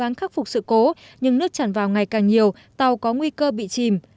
vắng khắc phục sự cố nhưng nước tràn vào ngày càng nhiều tàu có nguy cơ bị chìm